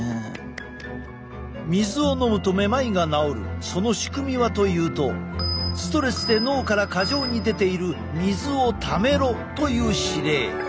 水を飲むとめまいが治るその仕組みはというとストレスで脳から過剰に出ている水をためろという指令。